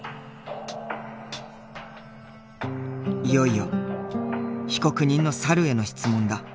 いよいよ被告人の猿への質問だ。